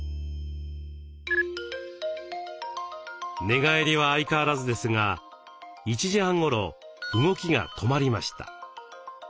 寝返りは相変わらずですが１時半ごろ動きが止まりました。